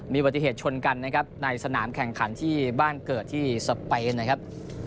มีปฏิเหตุชนกันนะครับในสนามแข่งขันที่บ้านเกิดที่สเปนนะครับ